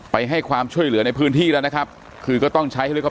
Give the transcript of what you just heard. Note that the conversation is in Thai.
ไปให้ความช่วยเหลือในพื้นที่แล้วนะครับคือก็ต้องใช้